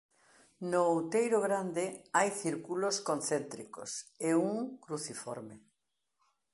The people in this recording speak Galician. No Outeiro Grande hai círculos concéntricos e un cruciforme.